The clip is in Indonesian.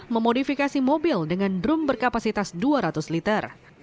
memodifikasi mobil dengan drum berkapasitas dua ratus liter